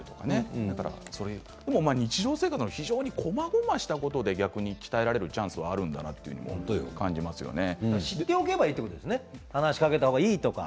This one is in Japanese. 日常生活の非常にこまごましたことで逆に鍛えられるチャンスがある知っておけばいいということですね話しかければいいとか。